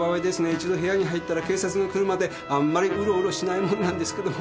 一度部屋に入ったら警察が来るまであんまりうろうろしないもんなんですけども。